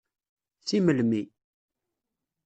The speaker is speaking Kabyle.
Si melmi.